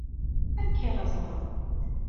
Amek ara ẓren?